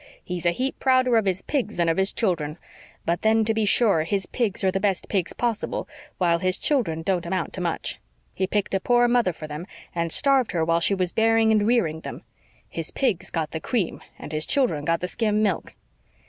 He's a heap prouder of his pigs than of his children. But then, to be sure, his pigs are the best pigs possible, while his children don't amount to much. He picked a poor mother for them, and starved her while she was bearing and rearing them. His pigs got the cream and his children got the skim milk.